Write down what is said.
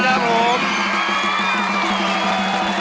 ขอบคุณทุกคน